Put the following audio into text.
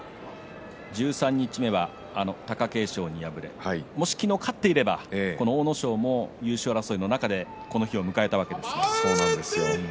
十三日目は貴景勝に敗れもし昨日勝っていれば阿武咲も優勝争いの中でこの日を迎えたわけですが。